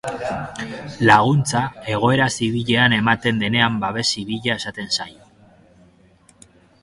Laguntza egoera zibilean ematen denean babes zibila esaten zaio.